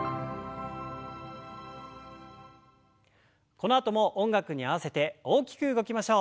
このあとも音楽に合わせて大きく動きましょう。